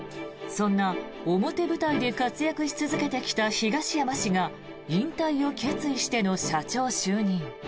そんな表舞台で活躍し続けてきた東山氏が引退を決意しての社長就任。